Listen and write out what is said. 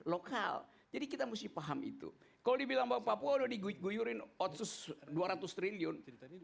lokal jadi kita mesti paham itu kalau dibilang bahwa papua udah diguyurin otsus dua ratus triliun